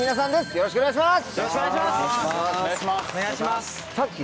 よろしくお願いします。